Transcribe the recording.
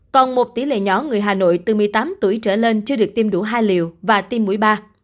còn một tỷ lệ nhỏ người hà nội từ một mươi tám tuổi trở lên chưa được tiêm đủ hai liệu và tiêm mũi ba